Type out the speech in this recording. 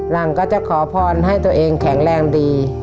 หลังก็จะขอพรให้ตัวเองแข็งแรงดี